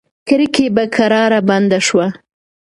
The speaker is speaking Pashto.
کړکۍ په کراره بنده شوه.